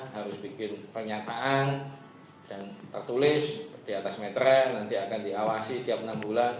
harus bikin pernyataan dan tertulis di atas meteran nanti akan diawasi tiap enam bulan